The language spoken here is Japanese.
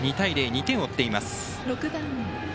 ２点を追っています。